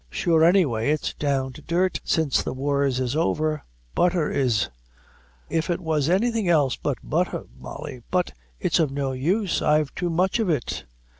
Sure, any way, it's down to dirt since the wars is over butther is; if it was anything else but butther, Molly: but it's of no use; I've too much of it."